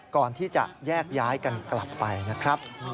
ก่อนที่จะแยกย้ายกันกลับไปนะครับ